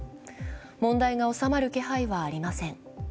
問題が収まる気配はありません。